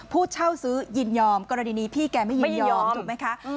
ผู้เช่าซื้อยินยอมกรณีนี้พี่แกไม่ยินยอมถูกไหมคะ